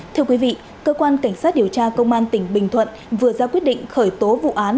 thưa quý vị cơ quan cảnh sát điều tra công an tỉnh bình thuận vừa ra quyết định khởi tố vụ án